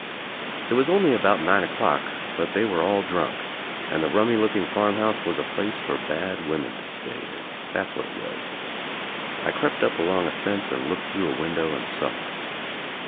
It was only about nine o'clock, but they were all drunk and the rummy looking farm house was a place for bad women to stay in. That's what it was. I crept up along a fence and looked through a window and saw.